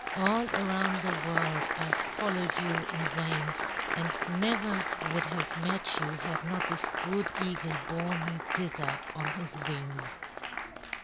All around the world I've followed you in vain, and never would have met you had not this good eagle borne me thither on his wings."